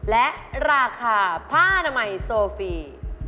และราคาผ้าน้ำไม้โซฟี